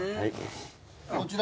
こちら。